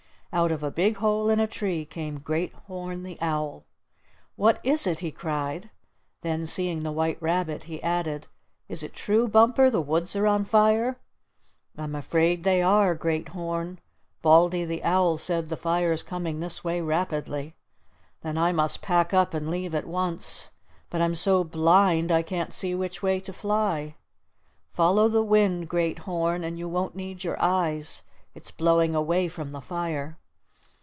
Out of a big hole in a tree came Great Horn the Owl. "What is it!" he cried. Then seeing the white rabbit, he added: "Is it true, Bumper, the woods are on fire?" "I'm afraid they are, Great Horn. Baldy the Eagle said the fire's coming this way rapidly." "Then I must pack up and leave at once. But I'm so blind I can't see which way to fly." "Follow the wind, Great Horn, and you won't need your eyes. It's blowing away from the fire."